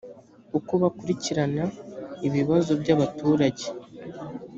uko bakurikirana ibibazo byabaturage